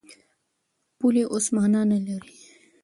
پولې اوس مانا نه لري.